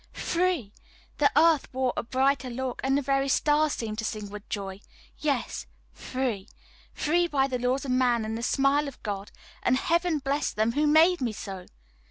Free! the earth wore a brighter look, and the very stars seemed to sing with joy. Yes, free! free by the laws of man and the smile of God and Heaven bless them who made me so!